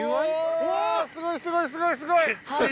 すごいすごいすごいすごい！